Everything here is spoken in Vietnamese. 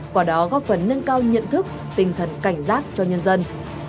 quả đó góp phần nâng cao nhận thức tinh thần cảnh giác cho nhân dân